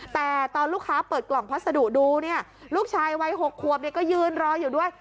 แต่ตอนลูกค้าเปิดกล่องพัสดุดูเนี่ยลูกชายวัย๖ขวบก็ยืนรออยู่ด้วย